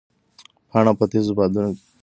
پاڼه په تېزو بادونو کې ورکه نه شوه.